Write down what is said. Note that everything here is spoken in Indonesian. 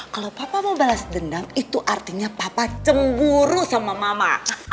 kalau papa mau balas dendam itu artinya papa cemburu sama mama